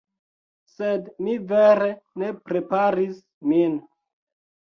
Sed mi vere ne preparis min